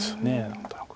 何となく。